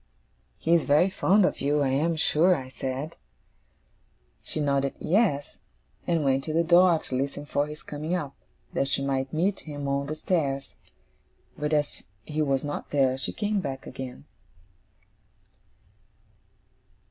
'He is very fond of you, I am sure,' I said. She nodded 'Yes,' and went to the door to listen for his coming up, that she might meet him on the stairs. But, as he was not there, she came back again.